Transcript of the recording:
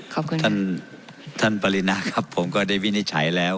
ขอบคุณท่านท่านปรินาครับผมก็ได้วินิจฉัยแล้ว